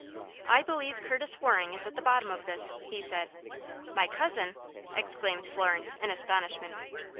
"I believe Curtis Waring is at the bottom of this," he said. "My cousin!" exclaimed Florence, in astonishment.